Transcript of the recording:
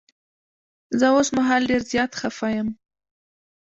زه اوس مهال ډير زيات خفه یم.